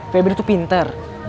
febri tuh pinter